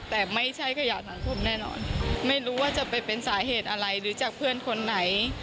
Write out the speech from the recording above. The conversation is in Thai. แต่ไม่ใช่ขยะสังคมแน่นอนไม่รู้ว่าจะไปเป็นสาเหตุอะไรหรือจากเพื่อนคนไหน